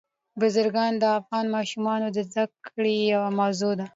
بزګان د افغان ماشومانو د زده کړې یوه موضوع ده.